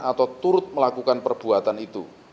atau turut melakukan perbuatan itu